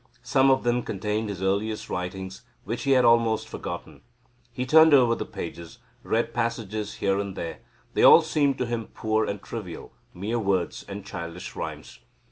Some of them contained his earliest writings, which he had almost forgotten. He turned over the pages, reading passages here and there. They all seemed to him poor and trivial mere words and childish rhymes!